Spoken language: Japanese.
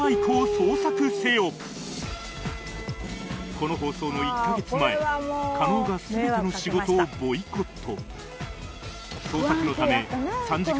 この放送の１カ月前加納が全ての仕事をボイコット